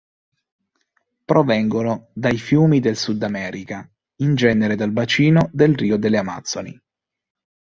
Provengono dai fiumi del Sud America, in genere dal bacino del Rio delle Amazzoni.